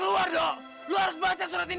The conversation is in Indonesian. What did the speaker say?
lu wa ruas baca surati it